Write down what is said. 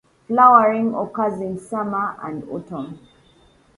Flowering occurs in summer and autumn.